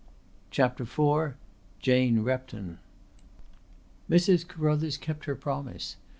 CHAPTER IV JANE REPTON Mrs. Carruthers kept her promise.